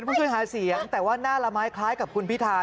มาช่วยหาเสียงแต่ว่าหน้าละไม้คล้ายกับคุณพิธา